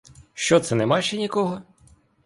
Що це нема ще нікого?